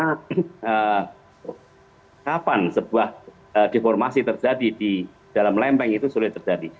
karena kapan sebuah deformasi terjadi di dalam lempeng itu sudah terjadi